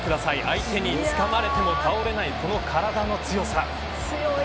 相手につかまれても倒れない、この体の強さ。